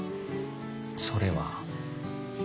それは。